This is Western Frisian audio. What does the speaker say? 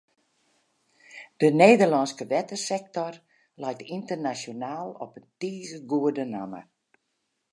De Nederlânske wettersektor leit ynternasjonaal op in tige goede namme.